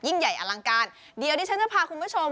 ยิ่งใหญ่อลังการเดี๋ยวที่จะพาคุณผู้ชม